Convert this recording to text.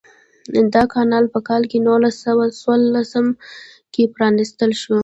دا کانال په کال نولس سوه څوارلسم کې پرانیستل شو.